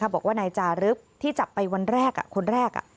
บอกว่านายจารึกที่จับไปวันแรกคนแรก